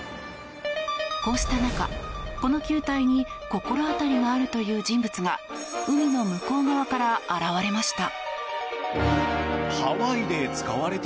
こうした中、この球体に心当たりがあるという人物が海の向こう側から現れました。